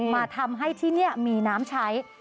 มาทำให้ที่นี่มีน้ำใช้